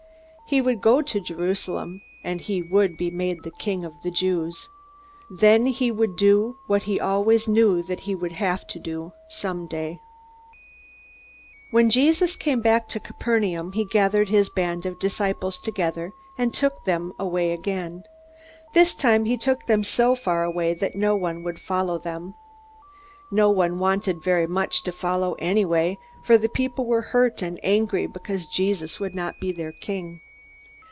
He would go to Jerusalem, and he would be the King of the Jews. Then he would do what he always knew that he would have to do someday. When Jesus came back to Capernaum, he gathered his band of disciples together and took them away again. This time he took them so far away that no one would follow them. No one wanted very much to follow, anyway, for the people were hurt and angry because Jesus would not be their king.